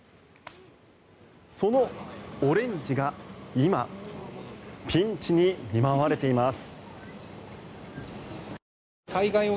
そのオレンジが今、ピンチに見舞われています。